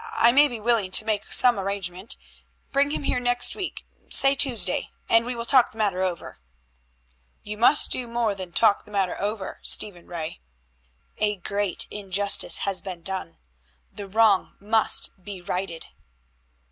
I may be willing to make some arrangement. Bring him here next week say Tuesday and we will talk the matter over." "You must do more than talk the matter over, Stephen Ray. A great injustice has been done, the wrong must be righted."